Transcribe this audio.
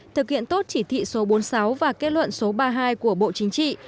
thực hiện tốt chỉ thị số bốn mươi sáu và kết luận số ba mươi hai của bộ chính trị